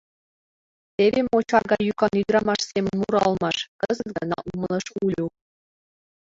— Теве мо чарга йӱкан ӱдырамаш семын мура улмаш! — кызыт гына умылыш Улю.